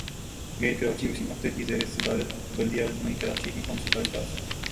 mayor Karachi Waseem Akhtar کی زیر صدارت بلدیہ عظمی کراچی کی کونسل کا اجلاس